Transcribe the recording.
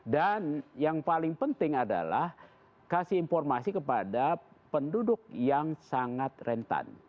dan yang paling penting adalah kasih informasi kepada penduduk yang sangat rentan